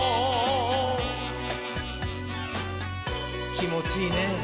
きもちいいねぇ。